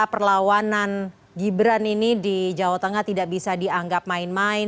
perlawanan gibran ini di jawa tengah tidak bisa dianggap main main